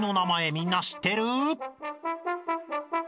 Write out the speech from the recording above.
みんな知ってる？